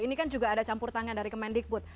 ini kan juga ada campur tangan dari kemendikbud